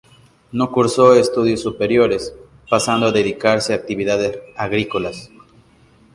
No cursó estudios superiores, pasando a dedicarse a actividades agrícolas.